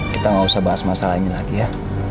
kita nggak usah bahas masalah ini lagi ya